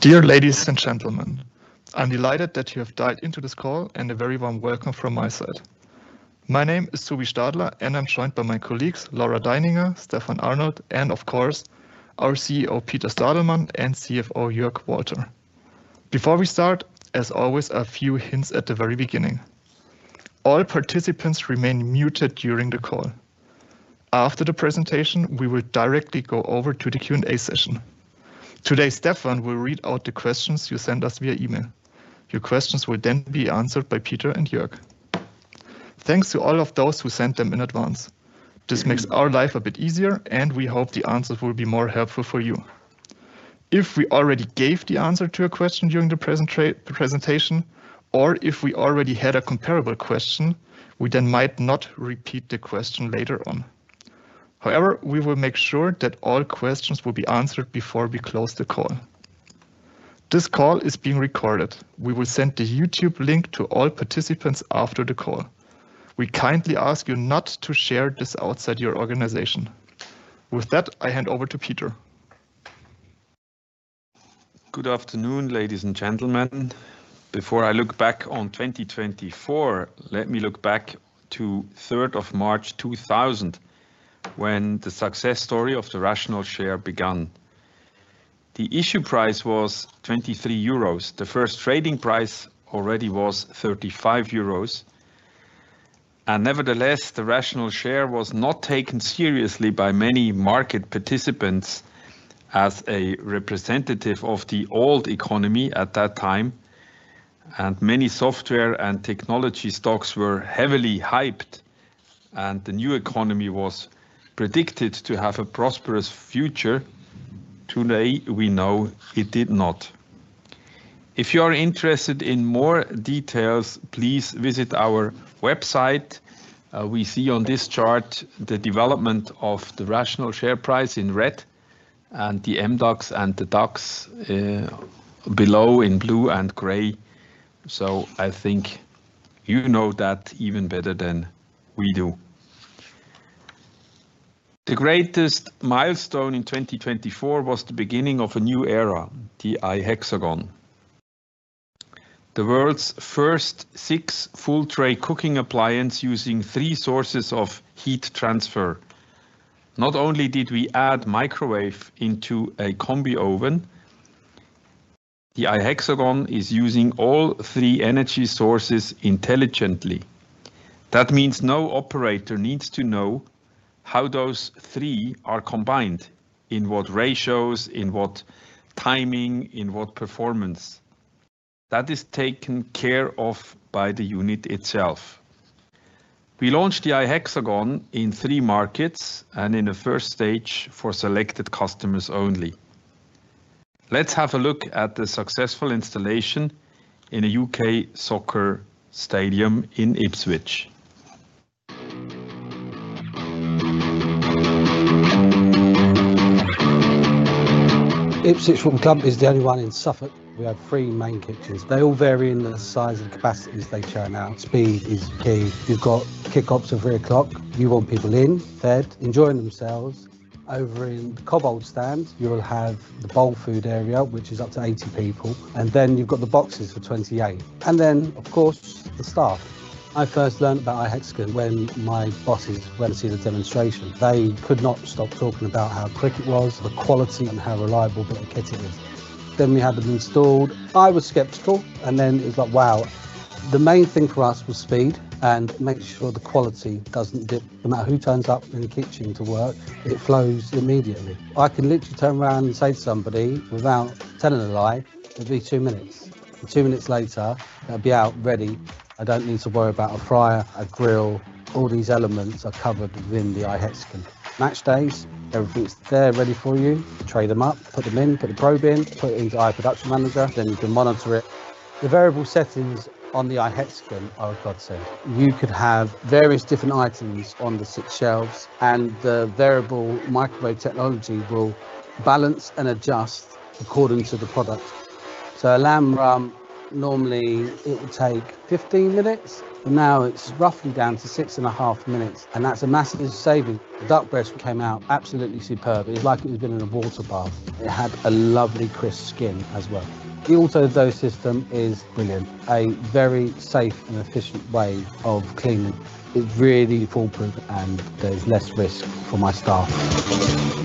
Dear ladies and gentlemen, I'm delighted that you have dialed into this call and a very warm welcome from my side. My name is Tobias Stadler, and I'm joined by my colleagues Laura Deininger, Stefan Arnold, and of course, our CEO Peter Stadelmann and CFO Jörg Walter. Before we start, as always, a few hints at the very beginning. All participants remain muted during the call. After the presentation, we will directly go over to the Q&A session. Today, Stefan will read out the questions you send us via email. Your questions will then be answered by Peter and Jörg. Thanks to all of those who sent them in advance. This makes our life a bit easier, and we hope the answers will be more helpful for you. If we already gave the answer to a question during the presentation, or if we already had a comparable question, we then might not repeat the question later on. However, we will make sure that all questions will be answered before we close the call. This call is being recorded. We will send the YouTube link to all participants after the call. We kindly ask you not to share this outside your organization. With that, I hand over to Peter. Good afternoon, ladies and gentlemen. Before I look back on 2024, let me look back to 3rd of March 2000, when the success story of the Rational share began. The issue price was 23 euros. The first trading price already was 35 euros. Nevertheless, the Rational share was not taken seriously by many market participants as a representative of the old economy at that time. Many software and technology stocks were heavily hyped, and the new economy was predicted to have a prosperous future. Today, we know it did not. If you are interested in more details, please visit our website. We see on this chart the development of the Rational share price in red, and the MDAX and the DAX below in blue and gray. I think you know that even better than we do. The greatest milestone in 2024 was the beginning of a new era, the iHexagon, the world's first six full-tray cooking appliances using three sources of heat transfer. Not only did we add a microwave into a combi oven, the iHexagon is using all three energy sources intelligently. That means no operator needs to know how those three are combined, in what ratios, in what timing, in what performance. That is taken care of by the unit itself. We launched the iHexagon in three markets and in a first stage for selected customers only. Let's have a look at the successful installation in a UK soccer stadium in Ipswich. Ipswich Club is the only one in Suffolk. We have three main kitchens. They all vary in the size and capacities they churn out. Speed is key. You have kickoffs at 3:00 P.M. You want people in, fed, enjoying themselves. Over in the Cobbold Stand, you will have the bowl food area, which is up to 80 people. You have the boxes for 28. Of course, the staff. I first learned about iHexagon when my bosses went to see the demonstration. They could not stop talking about how quick it was, the quality, and how reliable the kettle is. We had them installed. I was skeptical, and it was like, wow. The main thing for us was speed and making sure the quality does not dip. No matter who turns up in the kitchen to work, it flows immediately. I can literally turn around and say to somebody without telling a lie, it'll be two minutes. Two minutes later, they'll be out ready. I don't need to worry about a fryer, a grill. All these elements are covered within the iHexagon. Match days, everything's there ready for you. Tray them up, put them in, put the probe in, put it into iProductionManager, then you can monitor it. The variable settings on the iHexagon are a godsend. You could have various different items on the six shelves, and the variable microwave technology will balance and adjust according to the product. So a lamb rump, normally it would take 15 minutes. Now it's roughly down to six and a half minutes, and that's a massive saving. The duck breast came out absolutely superb. It was like it had been in a water bath. It had a lovely crisp skin as well. The AutoDose system is brilliant. A very safe and efficient way of cleaning. It's really foolproof, and there's less risk for my staff.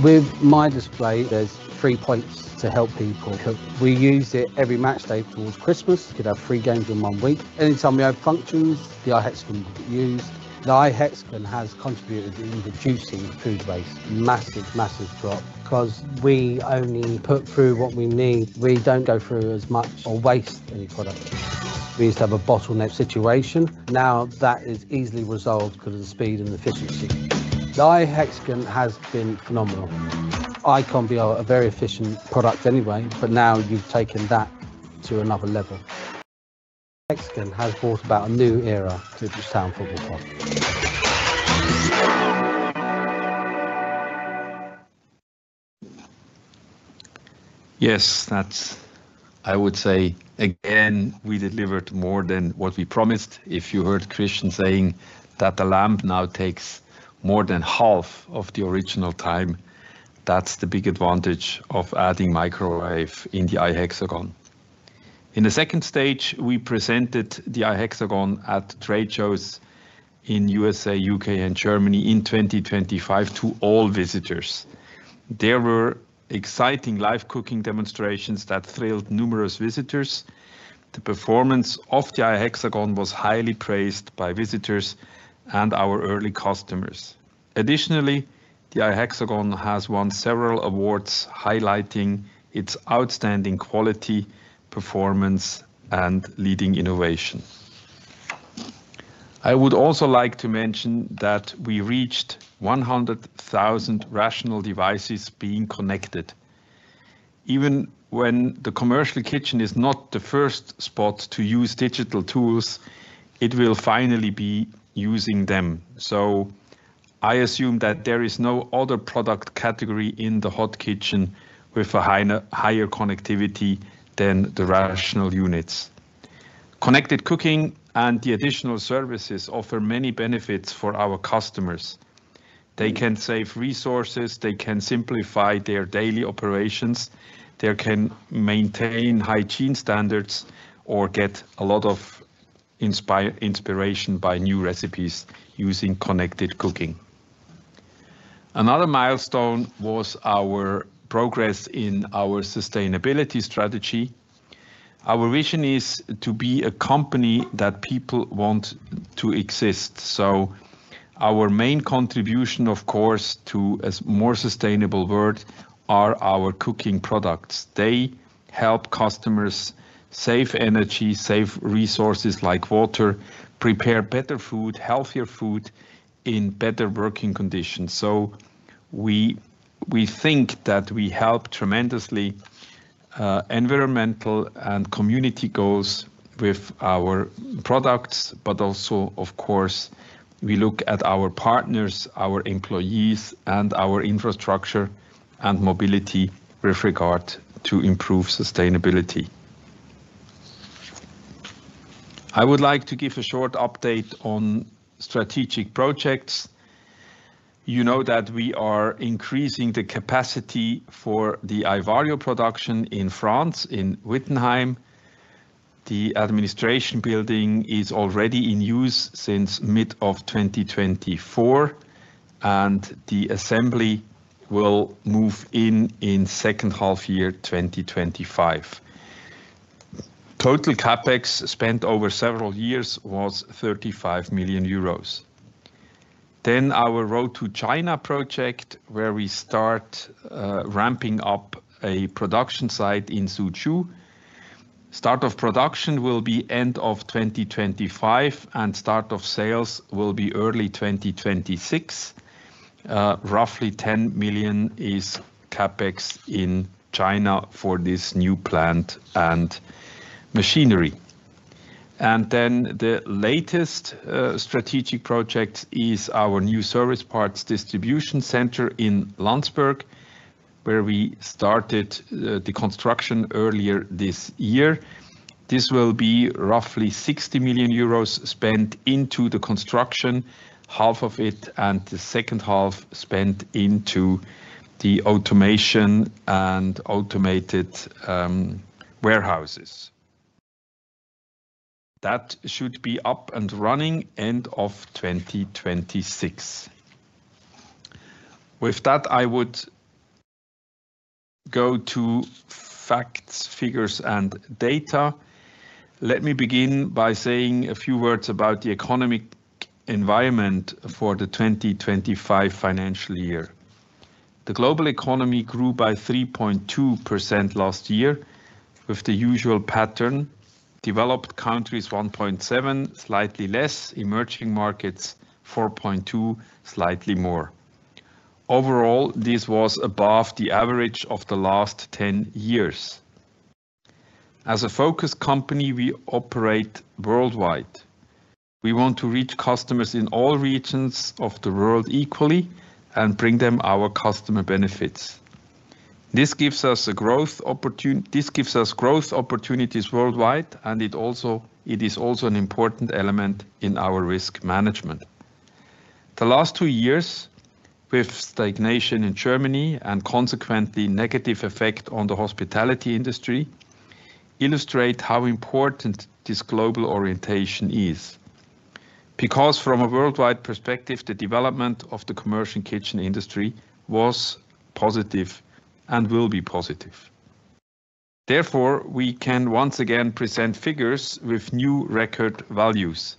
With my display, there's three points to help people cook. We use it every match day towards Christmas. We could have three games in one week. Anytime we have functions, the iHexagon will be used. The iHexagon has contributed in reducing food waste. Massive, massive drop because we only put through what we need. We don't go through as much or waste any product. We used to have a bottleneck situation. Now that is easily resolved because of the speed and the efficiency. The iHexagon has been phenomenal. iCombi are a very efficient product anyway, but now you've taken that to another level. iHexagon has brought about a new era to Ipswich Town Football Club. Yes, that's, I would say, again, we delivered more than what we promised. If you heard Christian saying that the lamb now takes more than half of the original time, that's the big advantage of adding microwave in the iHexagon. In the second stage, we presented the iHexagon at trade shows in the US, UK, and Germany in 2025 to all visitors. There were exciting live cooking demonstrations that thrilled numerous visitors. The performance of the iHexagon was highly praised by visitors and our early customers. Additionally, the iHexagon has won several awards highlighting its outstanding quality, performance, and leading innovation. I would also like to mention that we reached 100,000 Rational devices being connected. Even when the commercial kitchen is not the first spot to use digital tools, it will finally be using them. I assume that there is no other product category in the hot kitchen with a higher connectivity than the Rational units. Connected Cooking and the additional services offer many benefits for our customers. They can save resources. They can simplify their daily operations. They can maintain hygiene standards or get a lot of inspiration by new recipes using ConnectedCooking. Another milestone was our progress in our sustainability strategy. Our vision is to be a company that people want to exist. Our main contribution, of course, to a more sustainable world are our cooking products. They help customers save energy, save resources like water, prepare better food, healthier food in better working conditions. We think that we help tremendously with environmental and community goals with our products, but also, of course, we look at our partners, our employees, and our infrastructure and mobility with regard to improved sustainability. I would like to give a short update on strategic projects. You know that we are increasing the capacity for the iVario production in France in Wittenheim. The administration building is already in use since mid of 2024, and the assembly will move in in second half year 2025. Total CapEx spent over several years was 35 million euros. Our road to China project, where we start ramping up a production site in Suzhou. Start of production will be end of 2025, and start of sales will be early 2026. Roughly 10 million is CapEx in China for this new plant and machinery. The latest strategic project is our new service parts distribution center in Landsberg, where we started the construction earlier this year. This will be roughly 60 million euros spent into the construction, half of it, and the second half spent into the automation and automated warehouses. That should be up and running end of 2026. With that, I would go to facts, figures, and data. Let me begin by saying a few words about the economic environment for the 2025 financial year. The global economy grew by 3.2% last year with the usual pattern. Developed countries 1.7%, slightly less. Emerging markets 4.2%, slightly more. Overall, this was above the average of the last 10 years. As a focus company, we operate worldwide. We want to reach customers in all regions of the world equally and bring them our customer benefits. This gives us growth opportunities worldwide, and it is also an important element in our risk management. The last two years with stagnation in Germany and consequently negative effect on the hospitality industry illustrate how important this global orientation is. Because from a worldwide perspective, the development of the commercial kitchen industry was positive and will be positive. Therefore, we can once again present figures with new record values.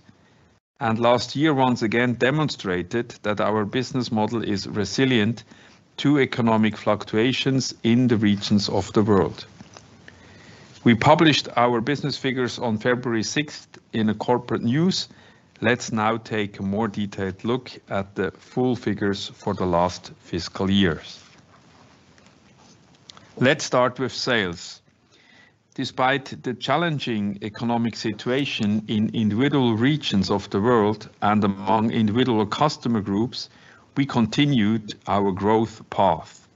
Last year once again demonstrated that our business model is resilient to economic fluctuations in the regions of the world. We published our business figures on 6 February in a corporate news. Let's now take a more detailed look at the full figures for the last fiscal year. Let's start with sales. Despite the challenging economic situation in individual regions of the world and among individual customer groups, we continued our growth path.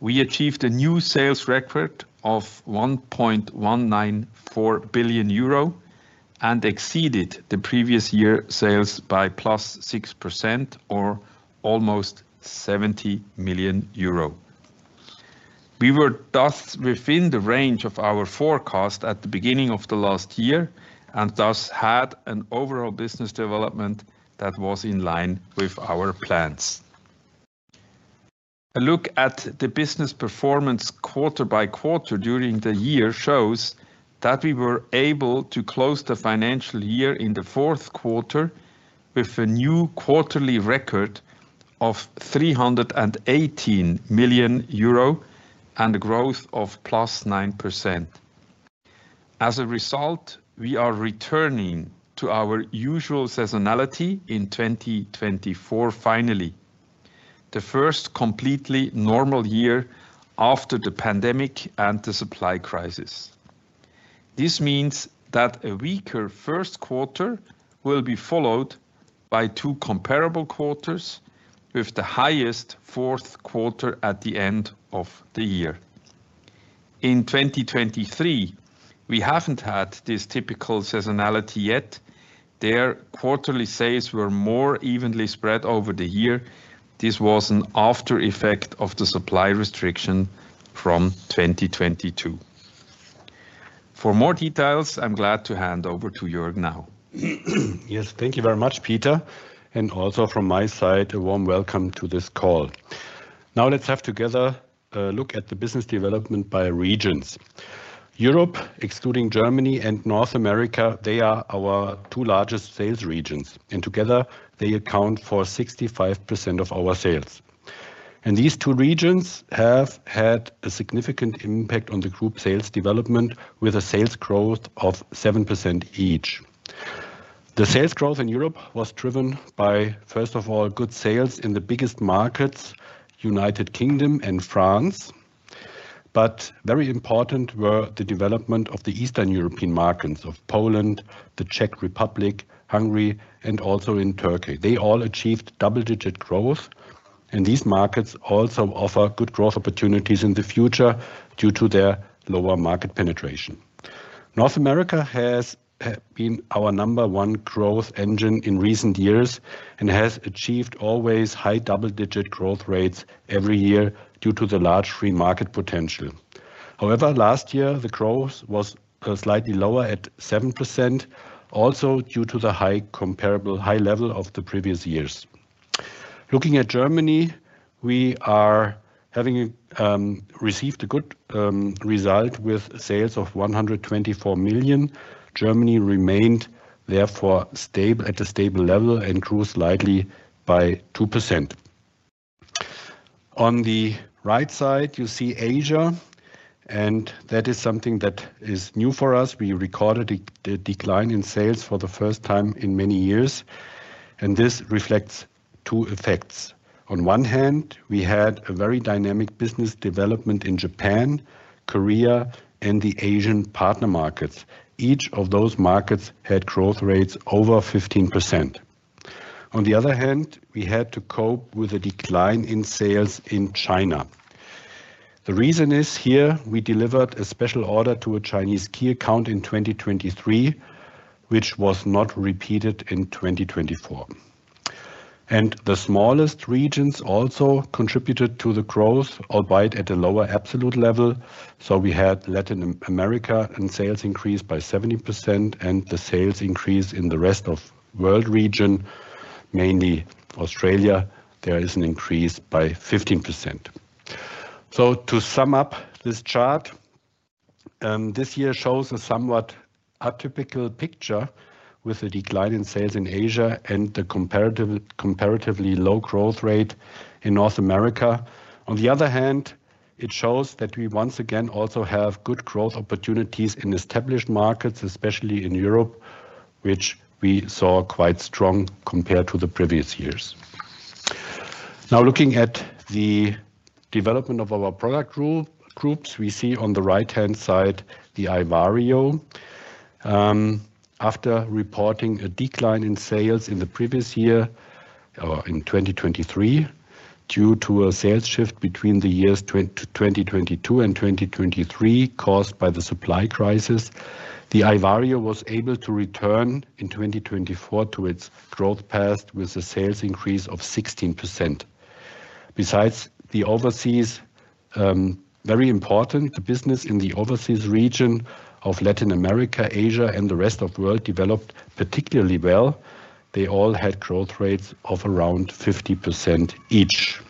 We achieved a new sales record of 1.194 billion euro and exceeded the previous year's sales by +6% or almost 70 million euro. We were thus within the range of our forecast at the beginning of the last year and thus had an overall business development that was in line with our plans. A look at the business performance quarter by quarter during the year shows that we were able to close the financial year in Q4 with a new quarterly record of 318 million euro and a growth of +9%. As a result, we are returning to our usual seasonality in 2024 finally, the first completely normal year after the pandemic and the supply crisis. This means that a weaker Q1 will be followed by two comparable quarters with the highest Q4 at the end of the year. In 2023, we have not had this typical seasonality yet. Their quarterly sales were more evenly spread over the year. This was an after-effect of the supply restriction from 2022. For more details, I'm glad to hand over to Jörg now. Yes, thank you very much, Peter. Also from my side, a warm welcome to this call. Now let's have together a look at the business development by regions. Europe, excluding Germany, and North America, they are our two largest sales regions. Together, they account for 65% of our sales. These two regions have had a significant impact on the group sales development with a sales growth of 7% each. The sales growth in Europe was driven by, first of all, good sales in the biggest markets, United Kingdom and France. Very important were the development of the Eastern European markets of Poland, the Czech Republic, Hungary, and also in Turkey. They all achieved double-digit growth. These markets also offer good growth opportunities in the future due to their lower market penetration. North America has been our number one growth engine in recent years and has achieved always high double-digit growth rates every year due to the large free market potential. However, last year, the growth was slightly lower at 7%, also due to the high comparable high level of the previous years. Looking at Germany, we have received a good result with sales of 124 million. Germany remained therefore stable at a stable level and grew slightly by 2%. On the right side, you see Asia, and that is something that is new for us. We recorded a decline in sales for the first time in many years. This reflects two effects. On one hand, we had a very dynamic business development in Japan, Korea, and the Asian partner markets. Each of those markets had growth rates over 15%. On the other hand, we had to cope with a decline in sales in China. The reason is here we delivered a special order to a Chinese key account in 2023, which was not repeated in 2024. The smallest regions also contributed to the growth, albeit at a lower absolute level. We had Latin America and sales increased by 70%, and the sales increase in the rest of the world region, mainly Australia, there is an increase by 15%. To sum up this chart, this year shows a somewhat atypical picture with a decline in sales in Asia and the comparatively low growth rate in North America. On the other hand, it shows that we once again also have good growth opportunities in established markets, especially in Europe, which we saw quite strong compared to the previous years. Now looking at the development of our product groups, we see on the right-hand side the iVario. After reporting a decline in sales in the previous year or in 2023 due to a sales shift between the years 2022 and 2023 caused by the supply crisis, the iVario was able to return in 2024 to its growth path with a sales increase of 16%. Besides the overseas, very important, the business in the overseas region of Latin America, Asia, and the rest of the world developed particularly well. They all had growth rates of around 50% each.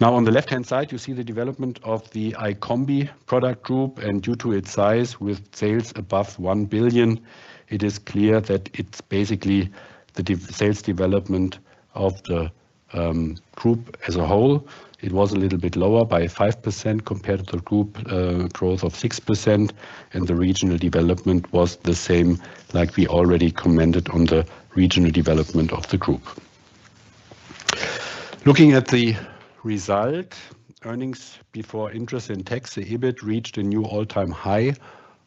Now on the left-hand side, you see the development of the iCombi product group, and due to its size with sales above 1 billion, it is clear that it's basically the sales development of the group as a whole. It was a little bit lower by 5% compared to the group growth of 6%, and the regional development was the same like we already commented on the regional development of the group. Looking at the result, earnings before interest and tax, the EBIT reached a new all-time high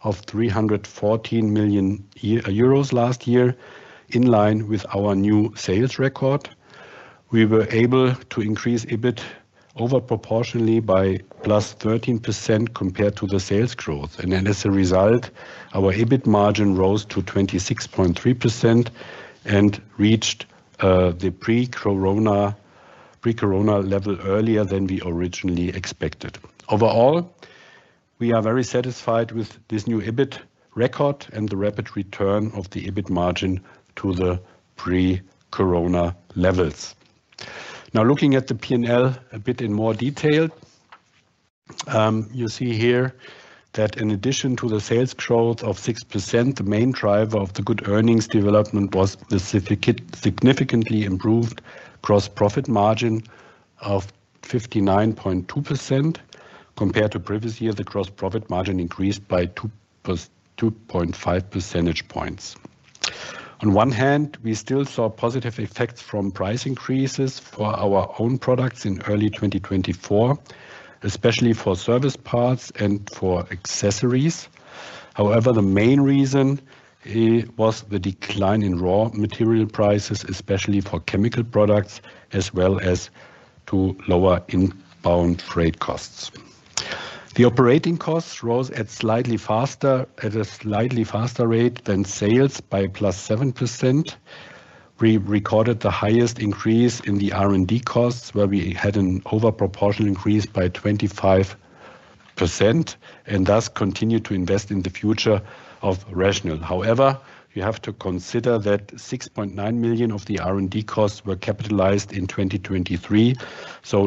of 314 million euros last year, in line with our new sales record. We were able to increase EBIT overproportionally by +13% compared to the sales growth. As a result, our EBIT margin rose to 26.3% and reached the pre-Corona level earlier than we originally expected. Overall, we are very satisfied with this new EBIT record and the rapid return of the EBIT margin to the pre-Corona levels. Now looking at the P&L a bit in more detail, you see here that in addition to the sales growth of 6%, the main driver of the good earnings development was the significantly improved gross profit margin of 59.2%. Compared to previous year, the gross profit margin increased by 2.5 percentage points. On one hand, we still saw positive effects from price increases for our own products in early 2024, especially for service parts and for accessories. However, the main reason was the decline in raw material prices, especially for chemical products, as well as to lower inbound trade costs. The operating costs rose at a slightly faster rate than sales by +7%. We recorded the highest increase in the R&D costs, where we had an overproportional increase by 25%, and thus continued to invest in the future of Rational. However, you have to consider that 6.9 million of the R&D costs were capitalized in 2023.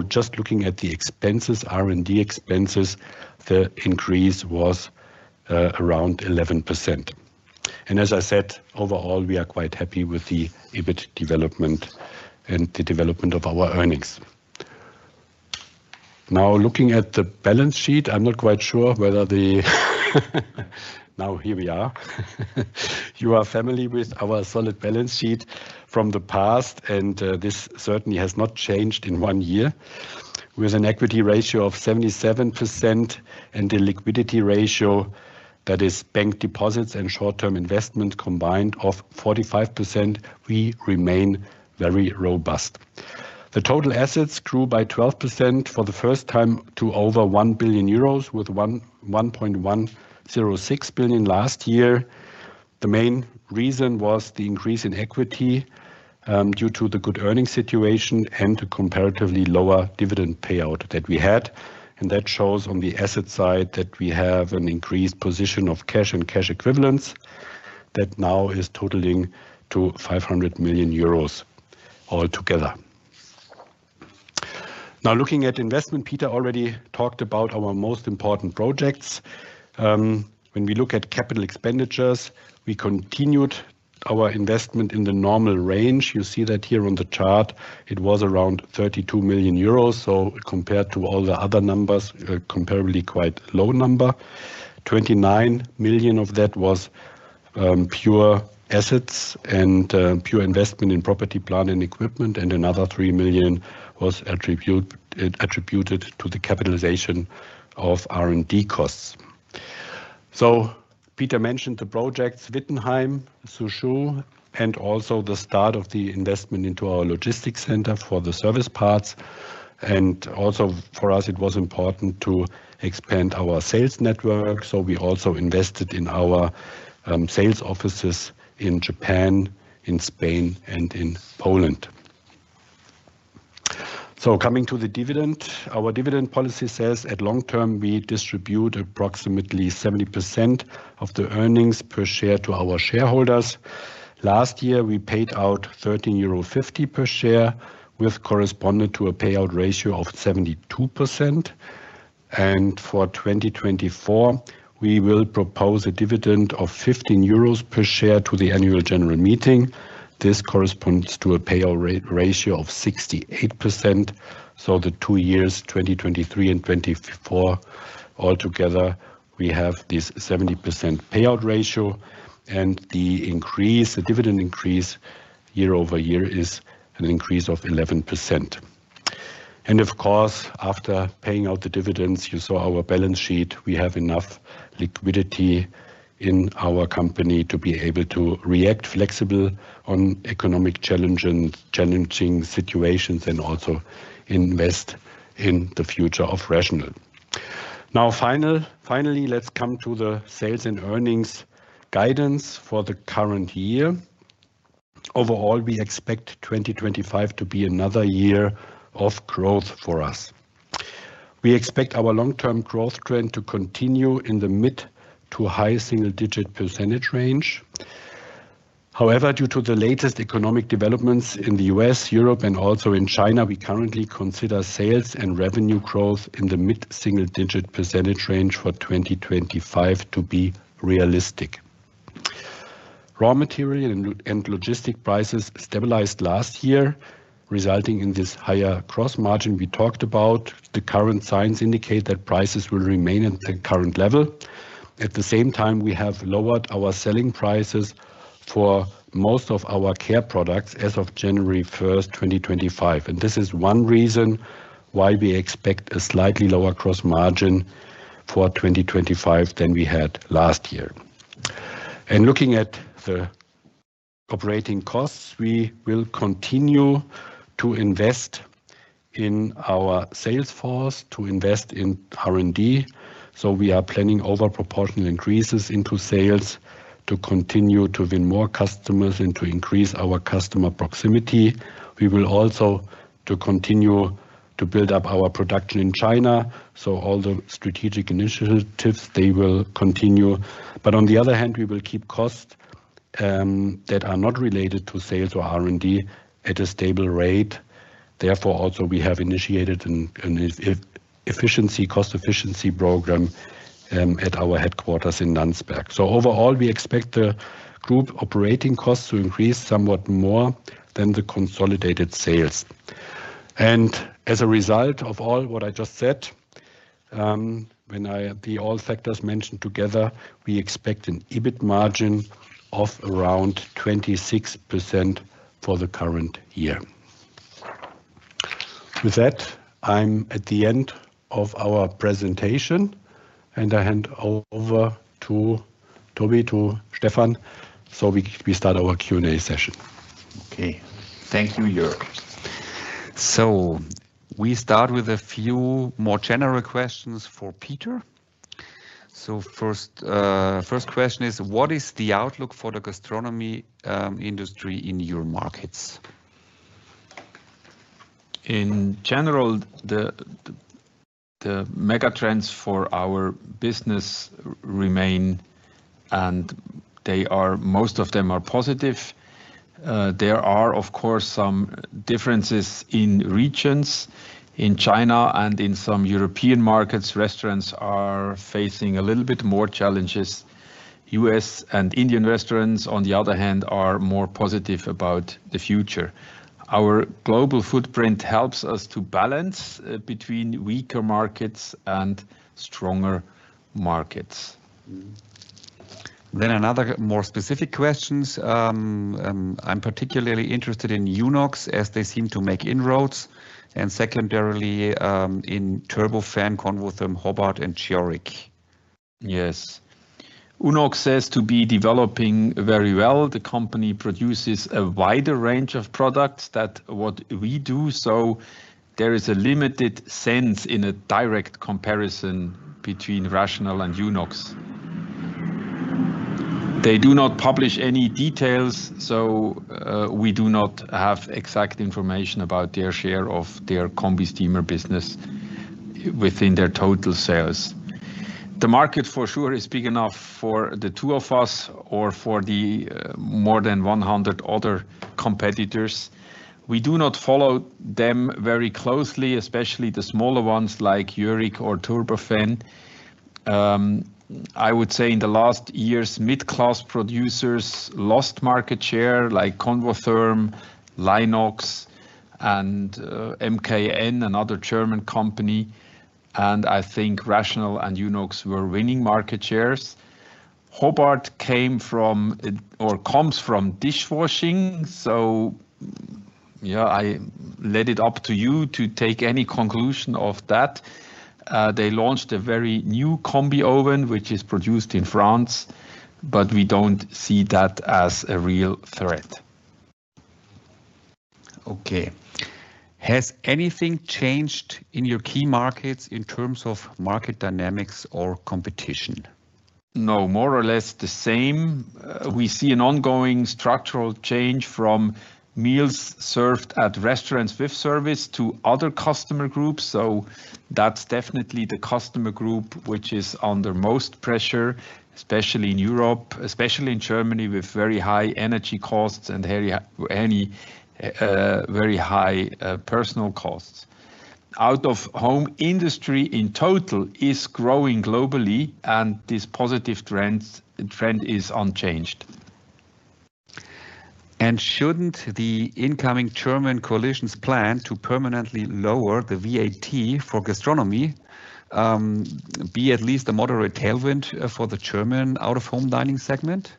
Just looking at the expenses, R&D expenses, the increase was around 11%. As I said, overall, we are quite happy with the EBIT development and the development of our earnings. Now looking at the balance sheet, I'm not quite sure whether the now here we are. You are familiar with our solid balance sheet from the past, and this certainly has not changed in one year. With an equity ratio of 77% and the liquidity ratio, that is bank deposits and short-term investment combined, of 45%, we remain very robust. The total assets grew by 12% for the first time to over 1 billion euros with 1.106 billion last year. The main reason was the increase in equity due to the good earnings situation and the comparatively lower dividend payout that we had. That shows on the asset side that we have an increased position of cash and cash equivalents that now is totaling to 500 million euros altogether. Now looking at investment, Peter already talked about our most important projects. When we look at capital expenditures, we continued our investment in the normal range. You see that here on the chart, it was around 32 million euros. Compared to all the other numbers, a comparably quite low number. 29 million of that was pure assets and pure investment in property, plant, and equipment, and another 3 million was attributed to the capitalization of R&D costs. Peter mentioned the projects Wittenheim, Suzhou, and also the start of the investment into our logistics center for the service parts. Also for us, it was important to expand our sales network. We also invested in our sales offices in Japan, in Spain, and in Poland. Coming to the dividend, our dividend policy says at long term, we distribute approximately 70% of the earnings per share to our shareholders. Last year, we paid out 13.50 euro per share, which corresponded to a payout ratio of 72%. For 2024, we will propose a dividend of 15 euros per share to the annual general meeting. This corresponds to a payout ratio of 68%. The two years, 2023 and 2024, altogether, we have this 70% payout ratio. The dividend increase year over year is an increase of 11%. Of course, after paying out the dividends, you saw our balance sheet. We have enough liquidity in our company to be able to react flexibly on economic challenging situations and also invest in the future of Rational. Now finally, let's come to the sales and earnings guidance for the current year. Overall, we expect 2025 to be another year of growth for us. We expect our long-term growth trend to continue in the mid to high single-digit percentage range. However, due to the latest economic developments in the US, Europe, and also in China, we currently consider sales and revenue growth in the mid single-digit percentage range for 2025 to be realistic. Raw material and logistic prices stabilized last year, resulting in this higher gross margin we talked about. The current signs indicate that prices will remain at the current level. At the same time, we have lowered our selling prices for most of our care products as of 1 January 2025. This is one reason why we expect a slightly lower gross margin for 2025 than we had last year. Looking at the operating costs, we will continue to invest in our sales force, to invest in R&D. We are planning overproportional increases into sales to continue to win more customers and to increase our customer proximity. We will also continue to build up our production in China. All the strategic initiatives, they will continue. On the other hand, we will keep costs that are not related to sales or R&D at a stable rate. Therefore, we have initiated an efficiency, cost efficiency program at our headquarters in Nuremberg. Overall, we expect the group operating costs to increase somewhat more than the consolidated sales. As a result of all what I just said, when I the all factors mentioned together, we expect an EBIT margin of around 26% for the current year. With that, I'm at the end of our presentation, and I hand over to Tobi to Stefan, so we start our Q&A session. Okay. Thank you, Jörg. We start with a few more general questions for Peter. First question is, what is the outlook for the gastronomy industry in your markets? In general, the megatrends for our business remain, and most of them are positive. There are, of course, some differences in regions. In China and in some European markets, restaurants are facing a little bit more challenges. US and Indian restaurants, on the other hand, are more positive about the future. Our global footprint helps us to balance between weaker markets and stronger markets. Another more specific question. I'm particularly interested in UNOX, as they seem to make inroads, and secondarily in Turbofan, Convotherm, Hobart, and Jörg. Yes. UNOX says to be developing very well. The company produces a wider range of products than what we do, so there is a limited sense in a direct comparison between Rational and UNOX. They do not publish any details, so we do not have exact information about their share of their combi steamer business within their total sales. The market for sure is big enough for the two of us or for the more than 100 other competitors. We do not follow them very closely, especially the smaller ones like Turbofan. I would say in the last years, mid-class producers lost market share like Convotherm, Lainox, and MKN, another German company. I think Rational and UNOX were winning market shares. Hobart came from or comes from dishwashing, so yeah, I let it up to you to take any conclusion of that. They launched a very new combi oven, which is produced in France, but we don't see that as a real threat. Okay. Has anything changed in your key markets in terms of market dynamics or competition? No, more or less the same. We see an ongoing structural change from meals served at restaurants with service to other customer groups. That's definitely the customer group which is under most pressure, especially in Europe, especially in Germany with very high energy costs and very high personnel costs. Out-of-home industry in total is growing globally, and this positive trend is unchanged. Shouldn't the incoming German coalition's plan to permanently lower the VAT for gastronomy be at least a moderate tailwind for the German out-of-home dining segment?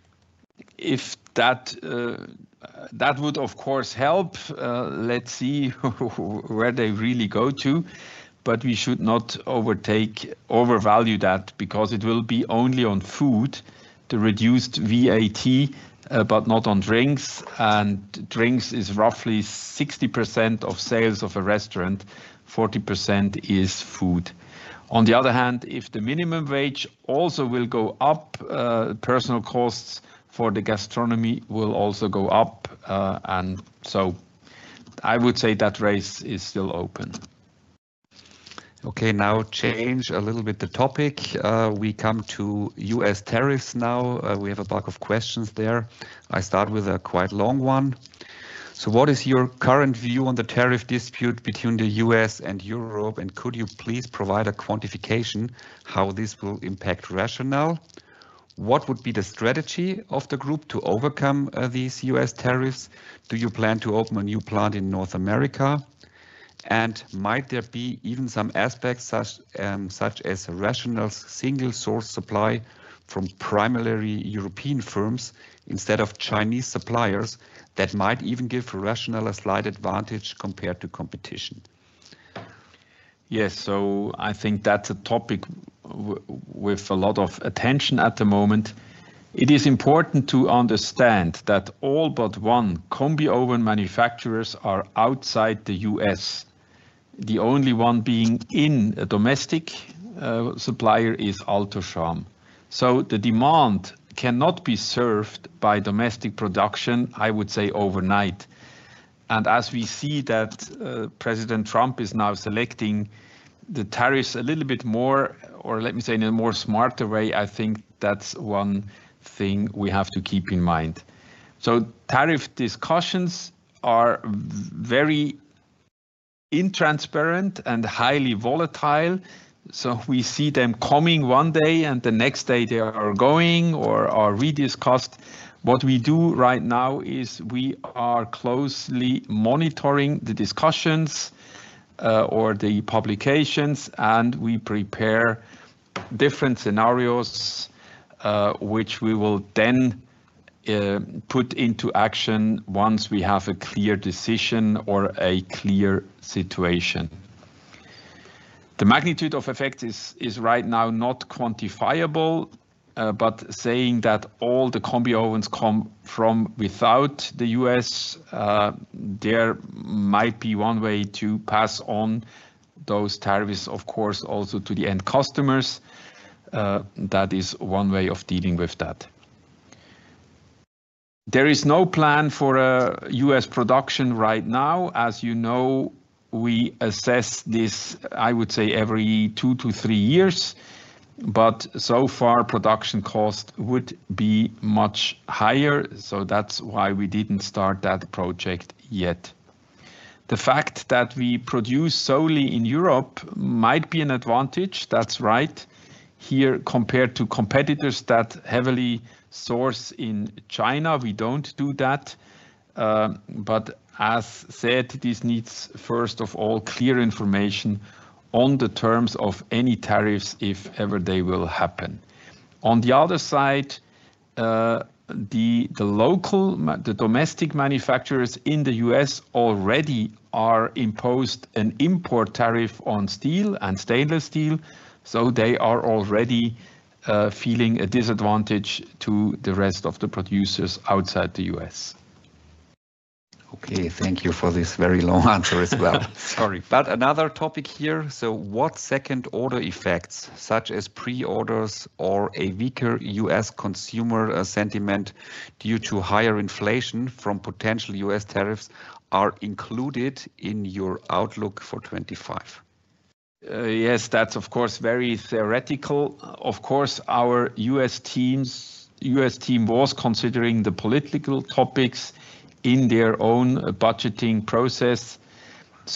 That would, of course, help. Let's see where they really go to, but we should not overvalue that because it will be only on food, the reduced VAT, but not on drinks. And drinks is roughly 60% of sales of a restaurant, 40% is food. On the other hand, if the minimum wage also will go up, personal costs for the gastronomy will also go up. I would say that race is still open. Okay, now change a little bit the topic. We come to US tariffs now. We have a bulk of questions there. I start with a quite long one. What is your current view on the tariff dispute between the US and Europe? Could you please provide a quantification how this will impact Rational? What would be the strategy of the group to overcome these US tariffs? Do you plan to open a new plant in North America? Might there be even some aspects such as Rational's single source supply from primarily European firms instead of Chinese suppliers that might even give Rational a slight advantage compared to competition? Yes, I think that's a topic with a lot of attention at the moment. It is important to understand that all but one combi oven manufacturers are outside the US The only one being a domestic supplier is Alto-Shaam. The demand cannot be served by domestic production, I would say, overnight. As we see that President Trump is now selecting the tariffs a little bit more, or let me say in a more smarter way, I think that's one thing we have to keep in mind. Tariff discussions are very intransparent and highly volatile. We see them coming one day, and the next day they are going or are rediscussed. What we do right now is we are closely monitoring the discussions or the publications, and we prepare different scenarios, which we will then put into action once we have a clear decision or a clear situation. The magnitude of effect is right now not quantifiable, but saying that all the combi ovens come from without the US, there might be one way to pass on those tariffs, of course, also to the end customers. That is one way of dealing with that. There is no plan for US production right now. As you know, we assess this, I would say, every two to three years, but so far production cost would be much higher. That is why we did not start that project yet. The fact that we produce solely in Europe might be an advantage. That is right. Here compared to competitors that heavily source in China, we do not do that. As said, this needs first of all clear information on the terms of any tariffs if ever they will happen. On the other side, the domestic manufacturers in the US already are imposed an import tariff on steel and stainless steel. They are already feeling a disadvantage to the rest of the producers outside the US. Okay, thank you for this very long answer as well. Sorry, but another topic here. What second order effects, such as pre-orders or a weaker US consumer sentiment due to higher inflation from potential US tariffs, are included in your outlook for 2025? Yes, that's of course very theoretical. Of course, our US team was considering the political topics in their own budgeting process.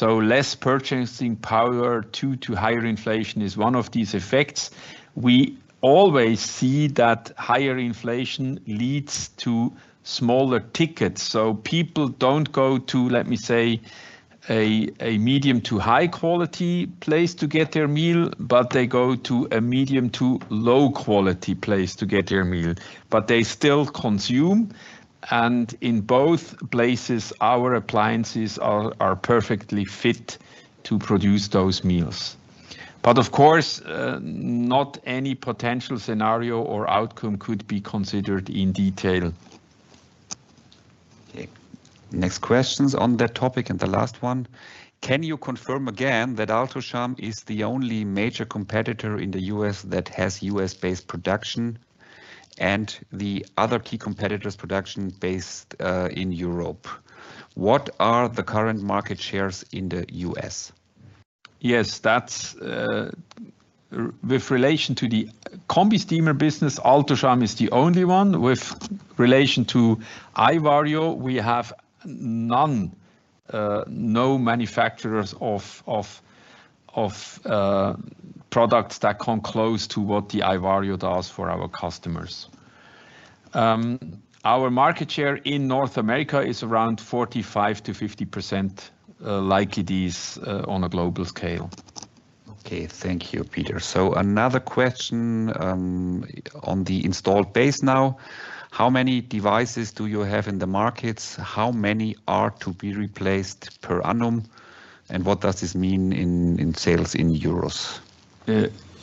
Less purchasing power due to higher inflation is one of these effects. We always see that higher inflation leads to smaller tickets. People do not go to, let me say, a medium to high quality place to get their meal, but they go to a medium to low quality place to get their meal. They still consume. In both places, our appliances are perfectly fit to produce those meals. Of course, not any potential scenario or outcome could be considered in detail. Okay. Next questions on that topic and the last one. Can you confirm again that Alto-Shaam is the only major competitor in the US that has US-based production and the other key competitors' production based in Europe? What are the current market shares in the US? Yes, that's with relation to the combi steamer business, Alto-Shaam is the only one. With relation to iVario, we have no manufacturers of products that come close to what the iVario does for our customers. Our market share in North America is around 45%-50% likely these on a global scale. Okay, thank you, Peter. Another question on the installed base now. How many devices do you have in the markets? How many are to be replaced per annum? What does this mean in sales in EUR?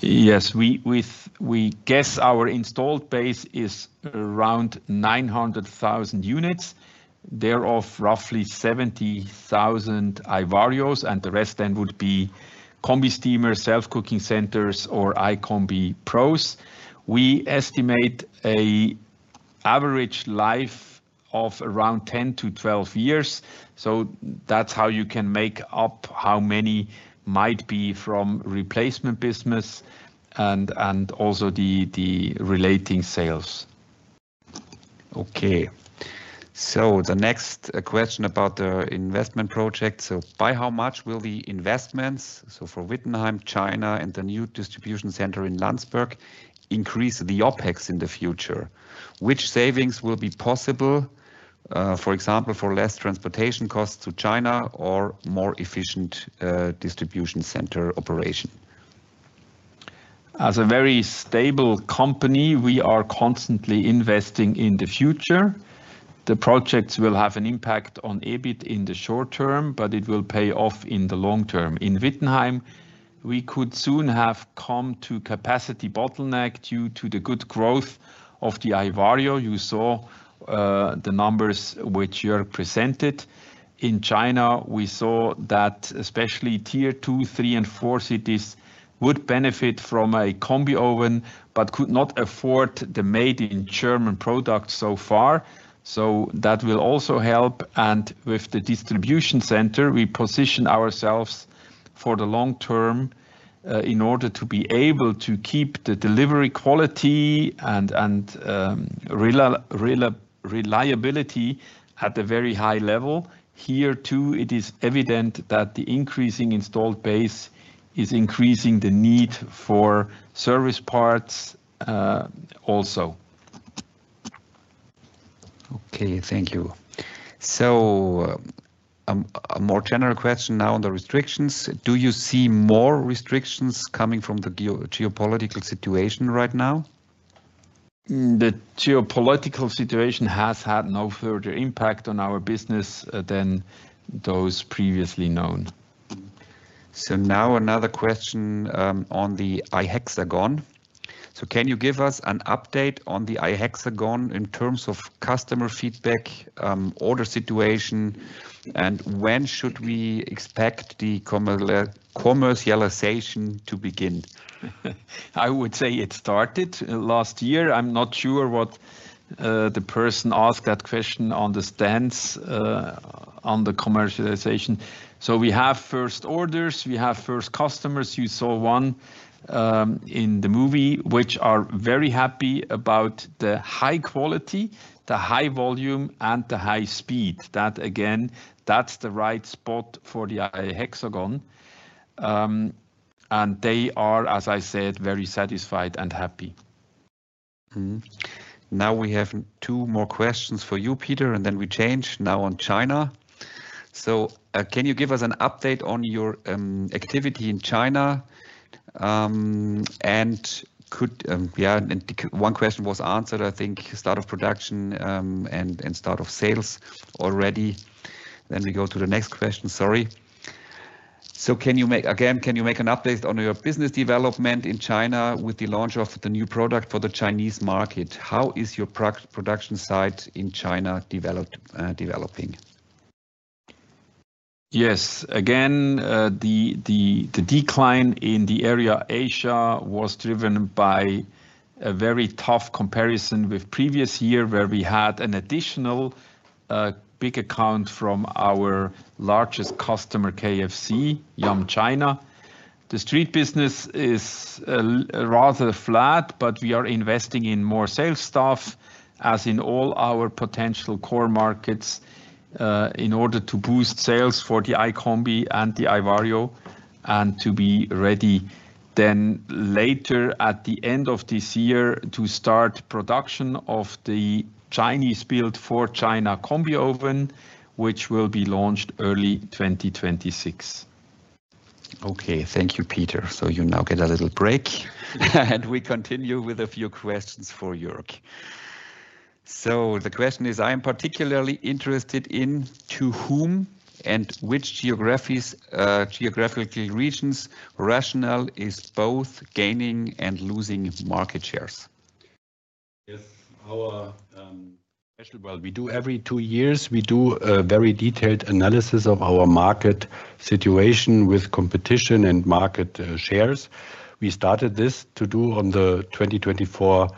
Yes, we guess our installed base is around 900,000 units. There are roughly 70,000 iVarios, and the rest then would be combi steamers, SelfCookingCenter, or iCombi Pro. We estimate an average life of around 10 to 12 years. That is how you can make up how many might be from replacement business and also the relating sales. Okay. The next question about the investment project. By how much will the investments, for Wittenheim, China, and the new distribution center in Landsberg, increase the OpEx in the future? Which savings will be possible, for example, for less transportation costs to China or more efficient distribution center operation? As a very stable company, we are constantly investing in the future. The projects will have an impact on EBIT in the short term, but it will pay off in the long term. In Wittenheim, we could soon have come to capacity bottleneck due to the good growth of the iVario. You saw the numbers which Jörg presented. In China, we saw that especially tier two, three, and four cities would benefit from a combi oven but could not afford the made-in-Germany product so far. That will also help. With the distribution center, we position ourselves for the long term in order to be able to keep the delivery quality and reliability at a very high level. Here too, it is evident that the increasing installed base is increasing the need for service parts also. Okay, thank you. A more general question now on the restrictions. Do you see more restrictions coming from the geopolitical situation right now? The geopolitical situation has had no further impact on our business than those previously known. Another question on the iHexagon. Can you give us an update on the iHexagon in terms of customer feedback, order situation, and when should we expect the commercialization to begin? I would say it started last year. I'm not sure what the person asked that question on the stance on the commercialization. We have first orders, we have first customers. You saw one in the movie, which are very happy about the high quality, the high volume, and the high speed. That again, that's the right spot for the iHexagon. They are, as I said, very satisfied and happy. Now we have two more questions for you, Peter, and now we change now on China. Can you give us an update on your activity in China? Yeah, one question was answered, I think, start of production and start of sales already. We go to the next question, sorry. Again, can you make an update on your business development in China with the launch of the new product for the Chinese market? How is your production site in China developing? Yes. Again, the decline in the area Asia was driven by a very tough comparison with previous year where we had an additional big account from our largest customer, KFC, Yum China. The street business is rather flat, but we are investing in more sales staff as in all our potential core markets in order to boost sales for the iCombi and the iVario and to be ready then later at the end of this year to start production of the Chinese-built for China combi oven, which will be launched early 2026. Okay, thank you, Peter. You now get a little break. We continue with a few questions for Jörg. The question is, I am particularly interested in to whom and which geographical regions Rational is both gaining and losing market shares. Yes, we do every two years, we do a very detailed analysis of our market situation with competition and market shares. We started this to do on the 2024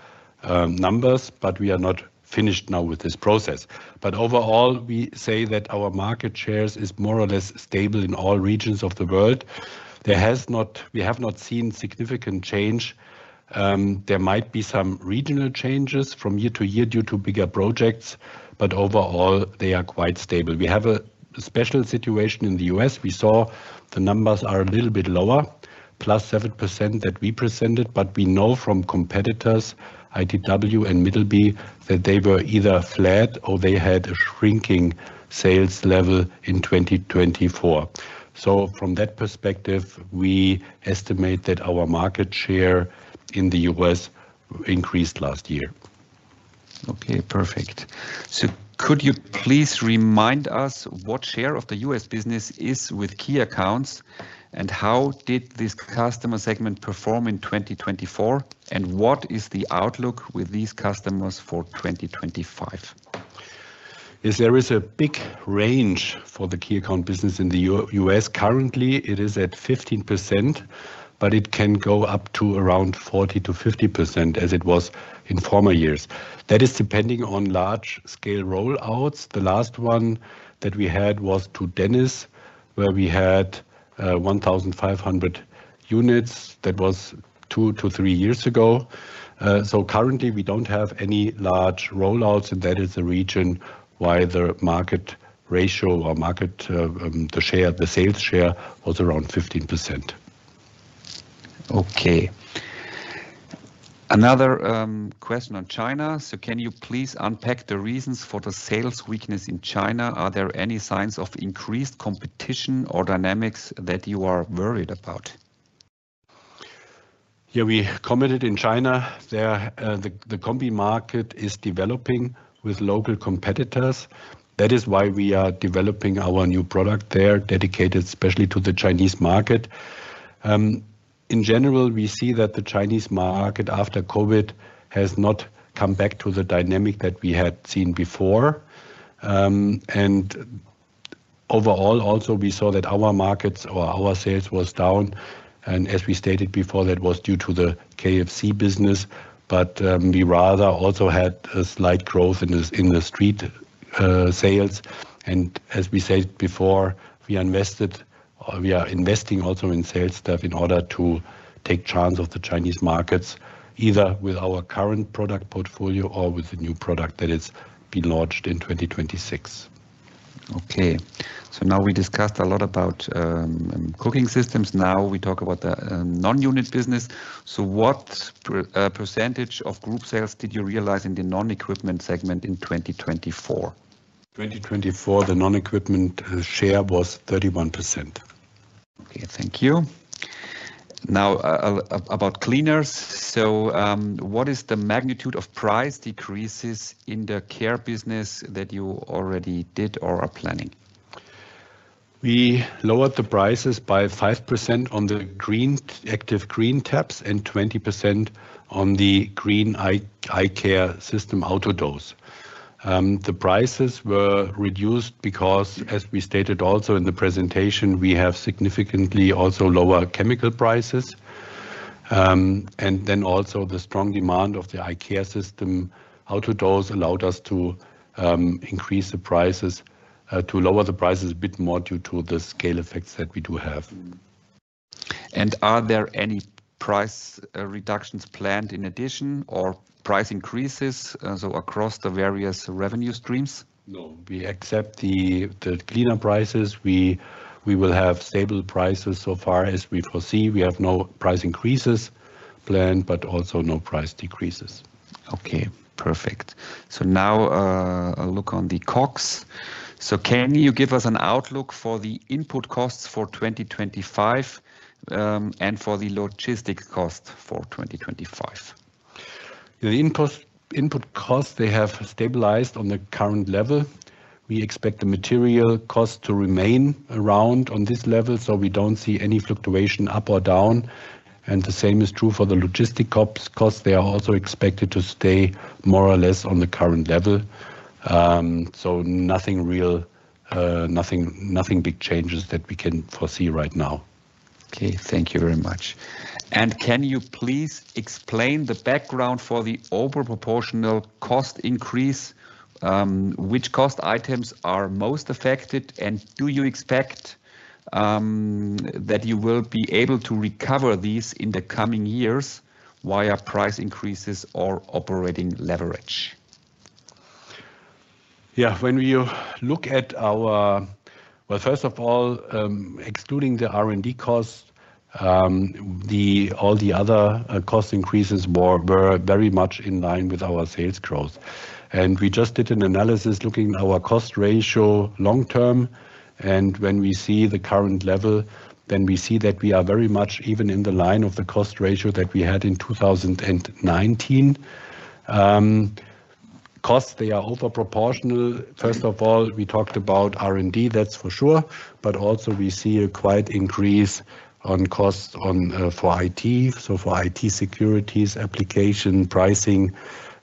numbers, but we are not finished now with this process. Overall, we say that our market shares is more or less stable in all regions of the world. We have not seen significant change. There might be some regional changes from year to year due to bigger projects, but overall, they are quite stable. We have a special situation in the US We saw the numbers are a little bit lower, +7% that we presented, but we know from competitors, ITW and Middleby, that they were either flat or they had a shrinking sales level in 2024. From that perspective, we estimate that our market share in the US increased last year. Okay, perfect. Could you please remind us what share of the US business is with key accounts and how did this customer segment perform in 2024 and what is the outlook with these customers for 2025? Yes, there is a big range for the key account business in the US currently. It is at 15%, but it can go up to around 40%-50% as it was in former years. That is depending on large-scale rollouts. The last one that we had was to Denny's where we had 1,500 units. That was two to three years ago. Currently, we don't have any large rollouts, and that is the reason why the market ratio or market, the share, the sales share was around 15%. Okay. Another question on China. Can you please unpack the reasons for the sales weakness in China? Are there any signs of increased competition or dynamics that you are worried about? Yeah, we committed in China. The combi market is developing with local competitors. That is why we are developing our new product there, dedicated especially to the Chinese market. In general, we see that the Chinese market after COVID has not come back to the dynamic that we had seen before. Overall, also we saw that our markets or our sales was down. As we stated before, that was due to the KFC business, but we rather also had a slight growth in the street sales. As we said before, we are investing also in sales staff in order to take chance of the Chinese markets, either with our current product portfolio or with the new product that has been launched in 2026. Okay. Now we discussed a lot about cooking systems. Now we talk about the non-unit business. What percentage of group sales did you realize in the non-equipment segment in 2024? 2024, the non-equipment share was 31%. Okay, thank you. Now about cleaners. What is the magnitude of price decreases in the care business that you already did or are planning? We lowered the prices by 5% on the Active green tabs and 20% on the green iCareSystem Auto Dose. The prices were reduced because, as we stated also in the presentation, we have significantly also lower chemical prices. The strong demand of the iCareSystem Auto Dose allowed us to lower the prices a bit more due to the scale effects that we do have. Are there any price reductions planned in addition or price increases across the various revenue streams? No. We accept the cleaner prices. We will have stable prices so far as we foresee. We have no price increases planned, but also no price decreases. Okay, perfect. Now a look on the COGS. Can you give us an outlook for the input costs for 2025 and for the logistic cost for 2025? The input costs, they have stabilized on the current level. We expect the material cost to remain around on this level, so we do not see any fluctuation up or down. The same is true for the logistic costs. They are also expected to stay more or less on the current level. Nothing real, nothing big changes that we can foresee right now. Okay, thank you very much. Can you please explain the background for the overproportional cost increase? Which cost items are most affected? Do you expect that you will be able to recover these in the coming years via price increases or operating leverage? Yeah, when we look at our, first of all, excluding the R&D costs, all the other cost increases were very much in line with our sales growth. We just did an analysis looking at our cost ratio long term. When we see the current level, then we see that we are very much even in the line of the cost ratio that we had in 2019. Costs, they are overproportional. First of all, we talked about R&D, that's for sure. We also see a quite increase on costs for IT, so for IT securities, application, pricing,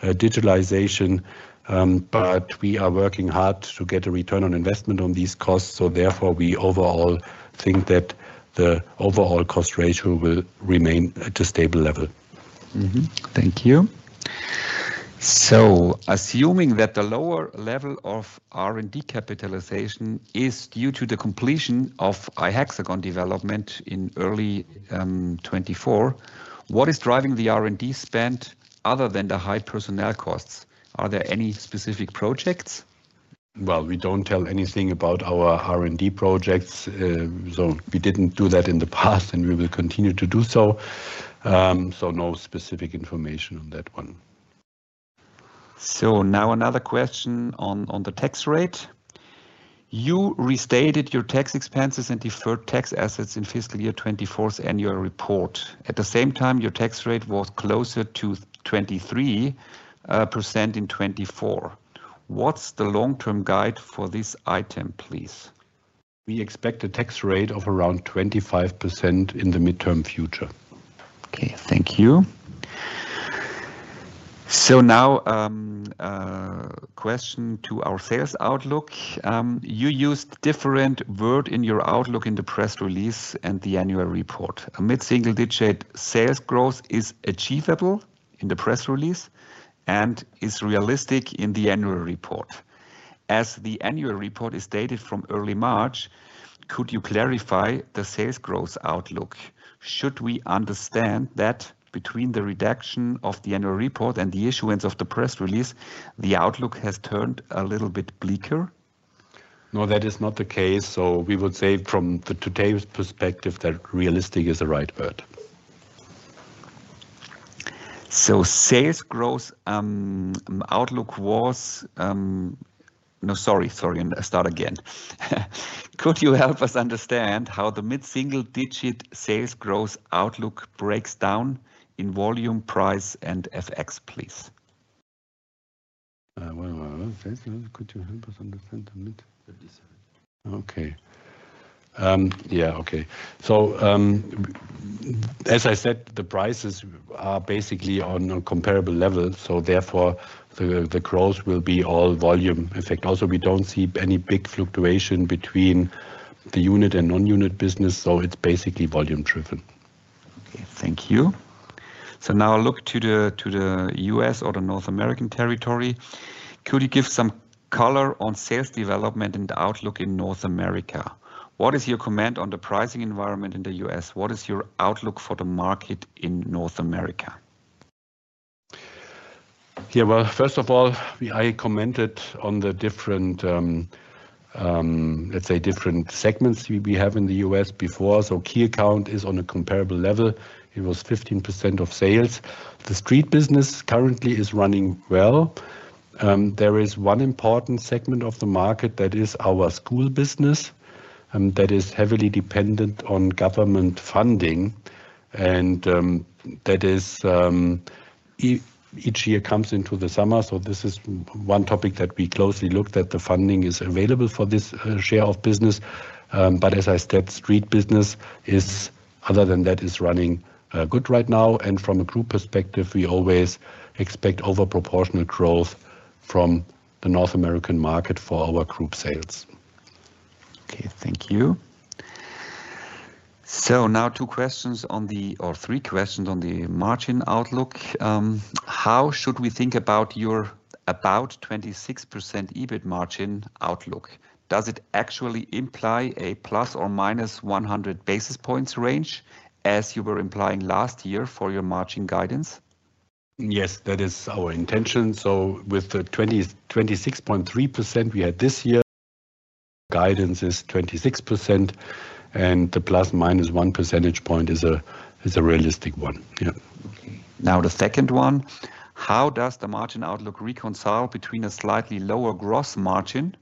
digitalization. We are working hard to get a return on investment on these costs. Therefore, we overall think that the overall cost ratio will remain at a stable level. Thank you. Assuming that the lower level of R&D capitalization is due to the completion of iHexagon development in early 2024, what is driving the R&D spend other than the high personnel costs? Are there any specific projects? We do not tell anything about our R&D projects. We did not do that in the past, and we will continue to do so. No specific information on that one. Another question on the tax rate. You restated your tax expenses and deferred tax assets in fiscal year 2024's annual report. At the same time, your tax rate was closer to 23% in 2024. What's the long-term guide for this item, please? We expect a tax rate of around 25% in the midterm future. Thank you. Now a question to our sales outlook. You used different words in your outlook in the press release and the annual report. A mid-single-digit sales growth is achievable in the press release and is realistic in the annual report. As the annual report is dated from early March, could you clarify the sales growth outlook? Should we understand that between the redaction of the annual report and the issuance of the press release, the outlook has turned a little bit bleaker? No, that is not the case. We would say from today's perspective, that realistic is the right word. Could you help us understand how the mid-single-digit sales growth outlook breaks down in volume, price, and FX, please? Could you help us understand the mid? Okay. Yeah, okay. As I said, the prices are basically on a comparable level. Therefore, the growth will be all volume effect. Also, we do not see any big fluctuation between the unit and non-unit business. It is basically volume-driven. Thank you. Now look to the US or the North American territory. Could you give some color on sales development and outlook in North America? What is your comment on the pricing environment in the US? What is your outlook for the market in North America? Yeah, first of all, I commented on the different, let's say, different segments we have in the US before. Key account is on a comparable level. It was 15% of sales. The street business currently is running well. There is one important segment of the market that is our school business that is heavily dependent on government funding. That is each year comes into the summer. This is one topic that we closely looked at, the funding is available for this share of business. As I said, street business, other than that, is running good right now. From a group perspective, we always expect overproportional growth from the North American market for our group sales. Okay, thank you. Now two questions on the, or three questions on the margin outlook. How should we think about your about 26% EBIT margin outlook? Does it actually imply a plus or minus 100 basis points range as you were implying last year for your margin guidance? Yes, that is our intention. With the 26.3% we had this year, guidance is 26%, and the plus minus 1 percentage point is a realistic one. Yeah. Now the second one. How does the margin outlook reconcile between a slightly lower gross margin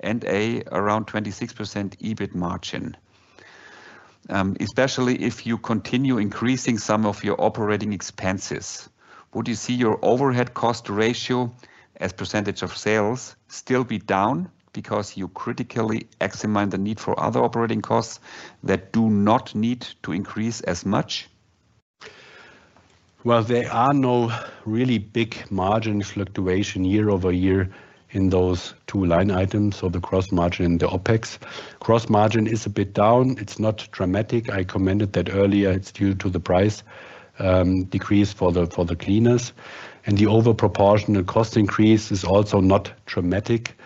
and a around 26% EBIT margin, especially if you continue increasing some of your operating expenses? Would you see your overhead cost ratio as percentage of sales still be down because you critically examined the need for other operating costs that do not need to increase as much? There are no really big margin fluctuation year over year in those two line items, so the gross margin and the OpEx. Gross margin is a bit down. It's not dramatic. I commented that earlier. It's due to the price decrease for the cleaners. The overproportional cost increase is also not dramatic.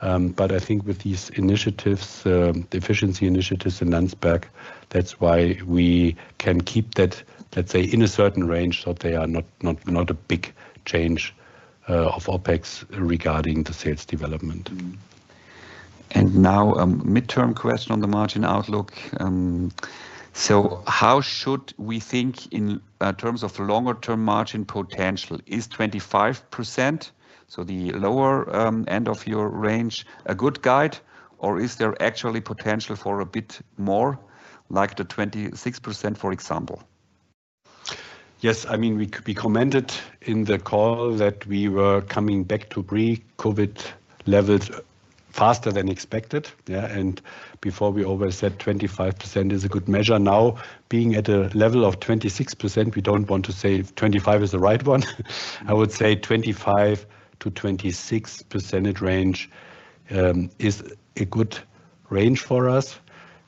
I think with these initiatives, the efficiency initiatives in Landsberg, that's why we can keep that, let's say, in a certain range, so they are not a big change of OpEx regarding the sales development. Now a midterm question on the margin outlook. How should we think in terms of longer-term margin potential? Is 25%, so the lower end of your range, a good guide, or is there actually potential for a bit more, like the 26%, for example? Yes, I mean, we commented in the call that we were coming back to pre-COVID levels faster than expected. Before we always said 25% is a good measure. Now, being at a level of 26%, we do not want to say 25% is the right one. I would say 25%-26% range is a good range for us.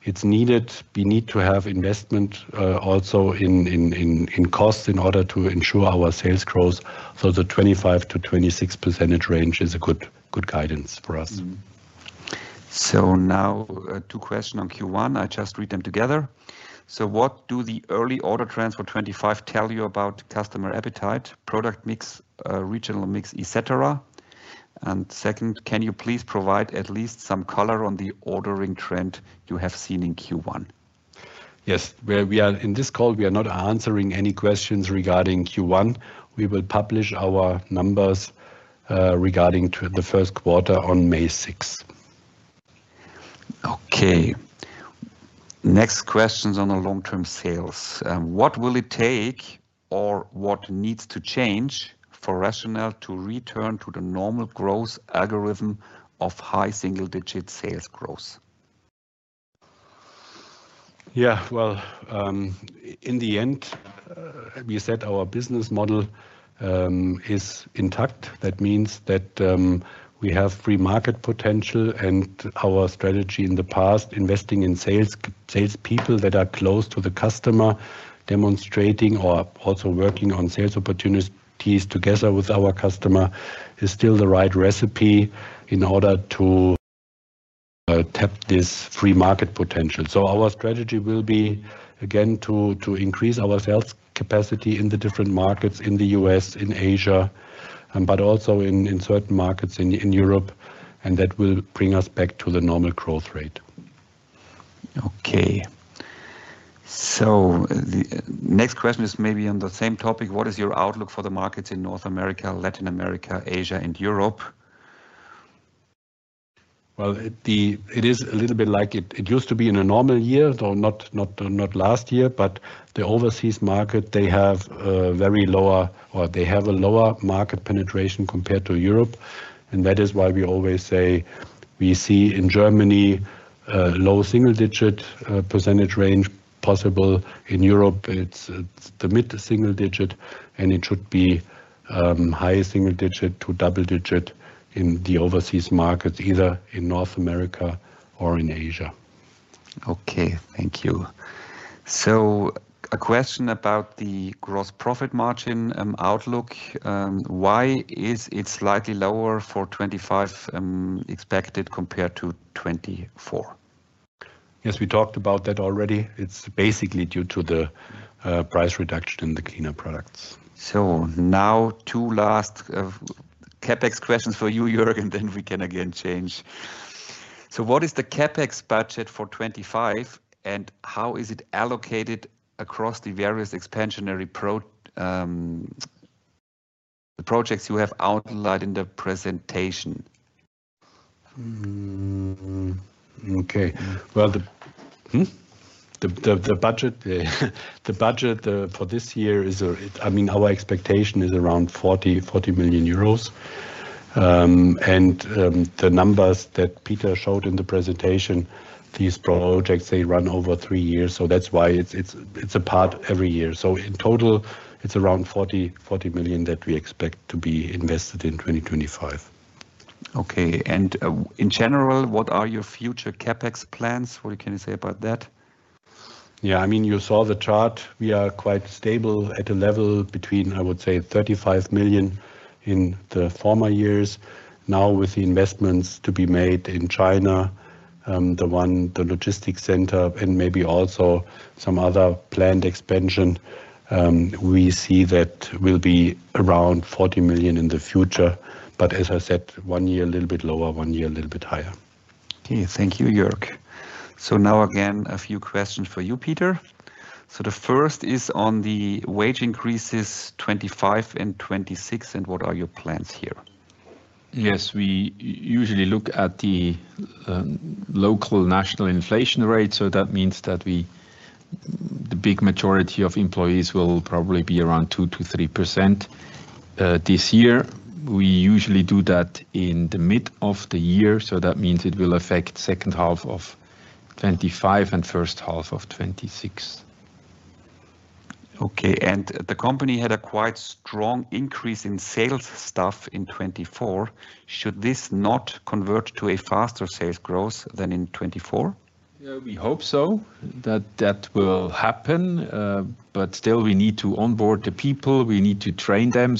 It is needed. We need to have investment also in costs in order to ensure our sales growth. The 25%-26% range is a good guidance for us. Two questions on Q1. I just read them together. What do the early order trends for 2025 tell you about customer appetite, product mix, regional mix, etc.? Can you please provide at least some color on the ordering trend you have seen in Q1? Yes. In this call, we are not answering any questions regarding Q1. We will publish our numbers regarding Q1 on 6 May. Okay. Next questions on the long-term sales. What will it take or what needs to change for Rational to return to the normal growth algorithm of high single-digit sales growth? Yeah, in the end, we said our business model is intact. That means that we have free market potential and our strategy in the past, investing in salespeople that are close to the customer, demonstrating or also working on sales opportunities together with our customer, is still the right recipe in order to tap this free market potential. Our strategy will be, again, to increase our sales capacity in the different markets in the US, in Asia, but also in certain markets in Europe. That will bring us back to the normal growth rate. Okay. The next question is maybe on the same topic. What is your outlook for the markets in North America, Latin America, Asia, and Europe? It is a little bit like it used to be in a normal year, though not last year. The overseas market, they have a lower market penetration compared to Europe. That is why we always say we see in Germany a low single-digit percentage range possible. In Europe, it is the mid-single digit, and it should be high single-digit to double-digit in the overseas markets, either in North America or in Asia. Okay, thank you. A question about the gross profit margin outlook. Why is it slightly lower for 2025 expected compared to 2024? Yes, we talked about that already. It's basically due to the price reduction in the cleaner products. Now two last CapEx questions for you, Jörg, and then we can again change. What is the CapEx budget for 2025, and how is it allocated across the various expansionary projects you have outlined in the presentation? Okay. The budget for this year is, I mean, our expectation is around 40 million euros. The numbers that Peter showed in the presentation, these projects, they run over three years. That is why it is a part every year. In total, it is around 40 million that we expect to be invested in 2025. Okay. In general, what are your future CapEx plans? What can you say about that? Yeah, I mean, you saw the chart. We are quite stable at a level between, I would say, 35 million in the former years. Now, with the investments to be made in China, the logistics center, and maybe also some other planned expansion, we see that will be around 40 million in the future. As I said, one year a little bit lower, one year a little bit higher. Okay, thank you, Jörg. Now again, a few questions for you, Peter. The first is on the wage increases 2025 and 2026, and what are your plans here? Yes, we usually look at the local national inflation rate. That means that the big majority of employees will probably be around 2%-3% this year. We usually do that in the middle of the year. That means it will affect the second half of 2025 and the first half of 2026. Okay. The company had a quite strong increase in sales staff in 2024. Should this not convert to a faster sales growth than in 2024? Yeah, we hope so that that will happen. Still, we need to onboard the people. We need to train them.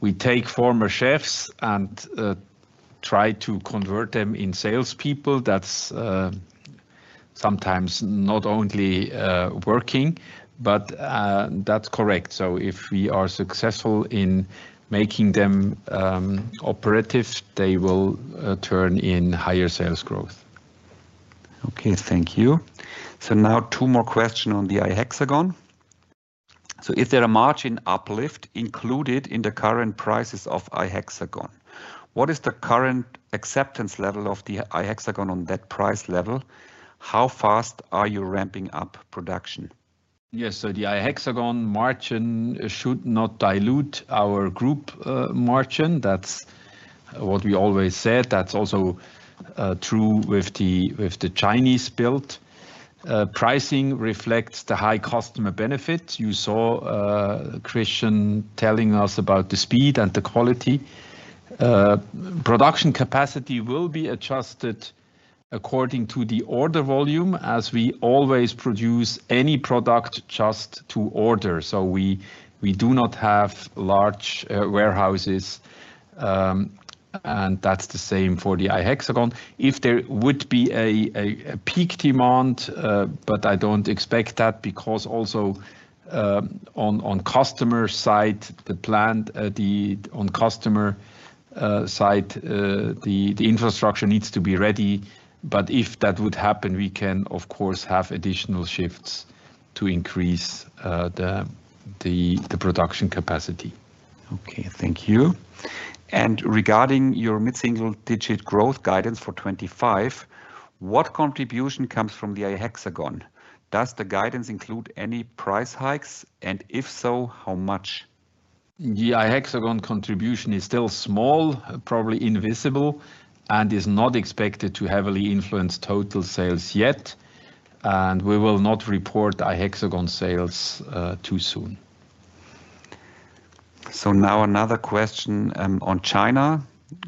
We take former chefs and try to convert them in salespeople. That's sometimes not only working, but that's correct. If we are successful in making them operative, they will turn in higher sales growth. Thank you. Now two more questions on the iHexagon. Is there a margin uplift included in the current prices of iHexagon? What is the current acceptance level of the iHexagon on that price level? How fast are you ramping up production? Yes, so the iHexagon margin should not dilute our group margin. That is what we always said. That is also true with the Chinese build. Pricing reflects the high customer benefit. You saw Christian telling us about the speed and the quality. Production capacity will be adjusted according to the order volume, as we always produce any product just to order. We do not have large warehouses. That is the same for the iHexagon. If there would be a peak demand, I do not expect that because also on the customer side, the plan on the customer side, the infrastructure needs to be ready. If that would happen, we can, of course, have additional shifts to increase the production capacity. Okay, thank you. Regarding your mid-single-digit growth guidance for 2025, what contribution comes from the iHexagon? Does the guidance include any price hikes? If so, how much? The iHexagon contribution is still small, probably invisible, and is not expected to heavily influence total sales yet. We will not report iHexagon sales too soon. Another question on China.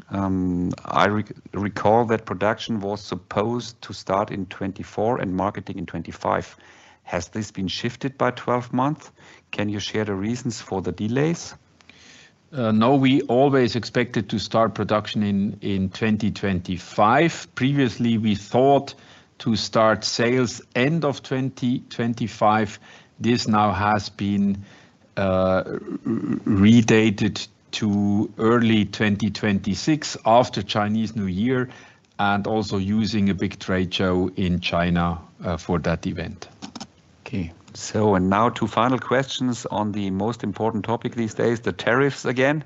I recall that production was supposed to start in 2024 and marketing in 2025. Has this been shifted by 12 months? Can you share the reasons for the delays? No, we always expected to start production in 2025. Previously, we thought to start sales end of 2025. This now has been redated to early 2026 after Chinese New Year and also using a big trade show in China for that event. Okay. Now two final questions on the most important topic these days, the tariffs again.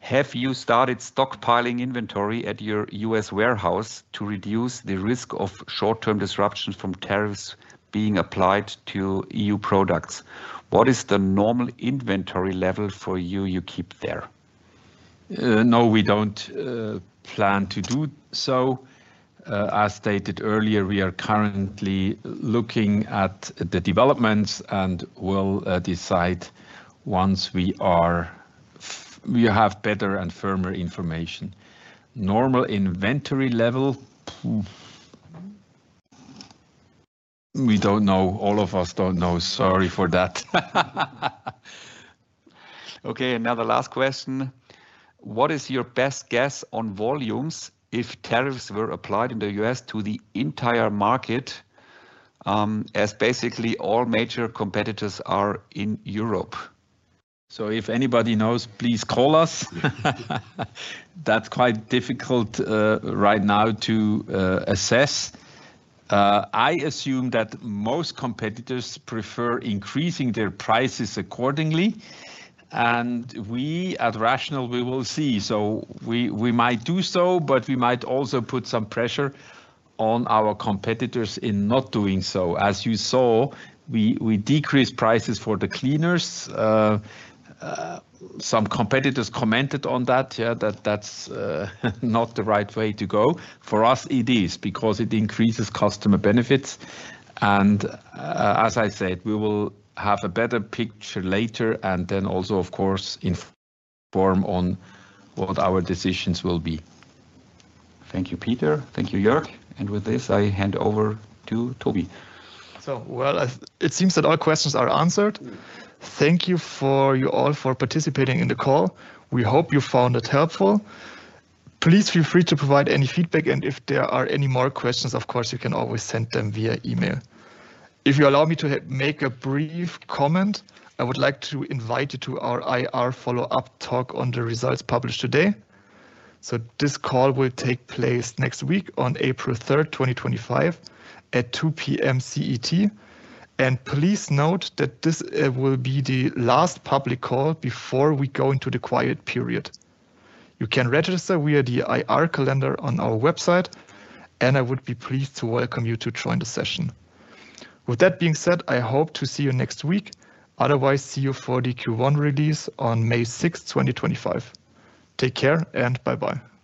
Have you started stockpiling inventory at your US warehouse to reduce the risk of short-term disruptions from tariffs being applied to EU products? What is the normal inventory level you keep there? No, we don't plan to do so. As stated earlier, we are currently looking at the developments and will decide once we have better and firmer information. Normal inventory level, we don't know. All of us don't know. Sorry for that. Okay. Now the last question. What is your best guess on volumes if tariffs were applied in the US to the entire market, as basically all major competitors are in Europe? If anybody knows, please call us. That's quite difficult right now to assess. I assume that most competitors prefer increasing their prices accordingly. We at Rational, we will see. We might do so, but we might also put some pressure on our competitors in not doing so. As you saw, we decreased prices for the cleaners. Some competitors commented on that, yeah, that that's not the right way to go. For us, it is because it increases customer benefits. As I said, we will have a better picture later and then also, of course, inform on what our decisions will be. Thank you, Peter. Thank you, Jörg. With this, I hand over to Toby. It seems that all questions are answered. Thank you all for participating in the call. We hope you found it helpful. Please feel free to provide any feedback. If there are any more questions, of course, you can always send them via email. If you allow me to make a brief comment, I would like to invite you to our IR follow-up talk on the results published today. This call will take place next week on April 2025 at 2:00 PM CET. Please note that this will be the last public call before we go into the quiet period. You can register via the IR calendar on our website, and I would be pleased to welcome you to join the session. With that being said, I hope to see you next week. Otherwise, see you for the Q1 release on 6 May 2025. Take care and bye-bye.